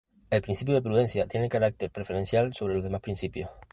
El principio de prudencia tiene carácter preferencial sobre los demás principios.